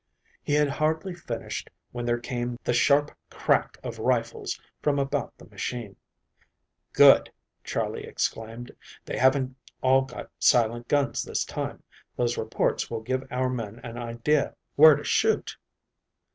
He had hardly finished when there came the sharp crack of rifles from about the machine. "Good," Charley exclaimed, "they haven't all got silent guns this time. Those reports will give our men an idea where to shoot."